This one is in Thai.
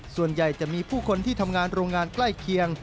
ส่วนใหญ่จะมีผู้คนที่ทำงานโรงงานใกล้เคียง